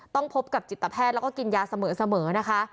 พบกับจิตแพทย์แล้วก็กินยาเสมอนะคะ